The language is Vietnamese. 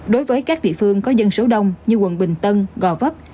đối với các địa phương có dân số đông như quận bình tân gò vấp